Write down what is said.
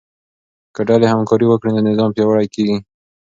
که ډلې همکاري وکړي نو نظام پیاوړی کیږي.